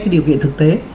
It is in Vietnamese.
cái điều kiện thực tế